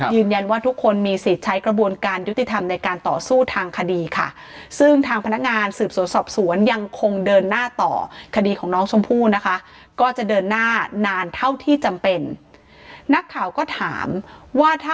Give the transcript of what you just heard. ยืนยันว่าทุกคนมีสิทธิ์ใช้กระบวนการยุติธรรมในการต่อสู้ทางคดีค่ะซึ่งทางพนักงานสืบสวนสอบศวนยังคงเดินหน้าต่อ